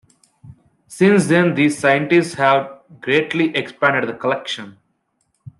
Since then these scientists have greatly expanded the collection.